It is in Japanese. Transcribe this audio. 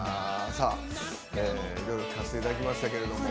いろいろ聞かせていただきましたけれども。